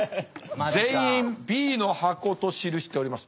全員Ｂの箱と記しております。